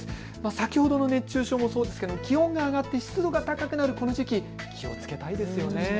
先ほどの熱中症もそうですが気温が上がって湿度が高くなるこの時期、気をつけたいですよね。